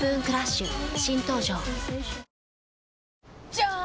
じゃーん！